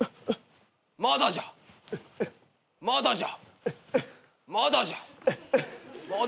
まだじゃまだじゃ。